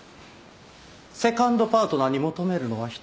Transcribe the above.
セカンドパートナーに求めるのは人それぞれ。